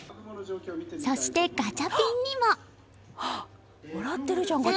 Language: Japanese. そしてガチャピンにも。